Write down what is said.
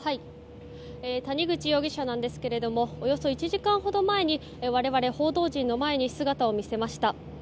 谷口容疑者ですがおよそ１時間ほど前に我々、報道陣の前に姿を見せました。